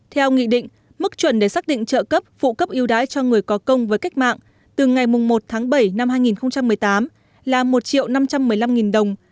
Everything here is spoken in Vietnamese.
theo nghị định mức chuẩn để xác định trợ cấp phụ cấp yêu đái cho người có công với cách mạng từ ngày một tháng bảy năm hai nghìn một mươi tám là một triệu năm trăm một mươi năm nghìn đồng